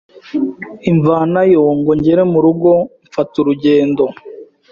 imvanayo ngo ngere mu rugo mfata urugendo